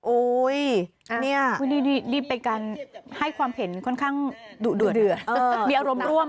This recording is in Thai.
โอ้ยเนี่ยดีไปกันให้ความเห็นค่อนข้างดุดดื่นเออมีอารมณ์ร่วม